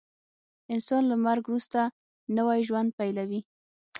انسان له مرګ وروسته نوی ژوند پیلوي